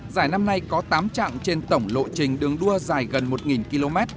giải năm nay có tám chặng trên tổng lộ trình đường đua dài gần một km